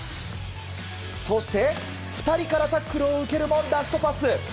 そして、２人からタックルを受けるもラストパス。